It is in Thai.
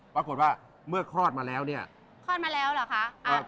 ปรากฏว่าเมื่อคลอดมาแล้วเนี่ยคลอดมาแล้วเหรอคะ